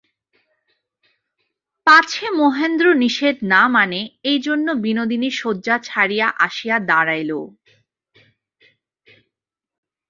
পাছে মহেন্দ্র নিষেধ না মানে, এইজন্য বিনোদিনী শয্যা ছাড়িয়া আসিয়া দাঁড়াইল।